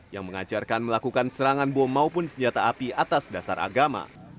yang mengajarkan melakukan serangan bom maupun senjata api atas dasar agama